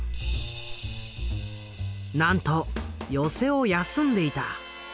なんと寄席を休んでいた。